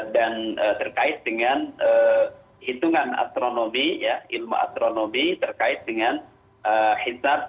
dan terkait dengan hitungan astronomi ilmu astronomi terkait dengan hisab